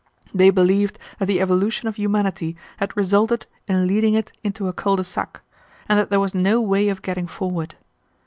They believed that the evolution of humanity had resulted in leading it into a cul de sac, and that there was no way of getting forward.